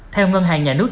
theo ngân hàng nhà nước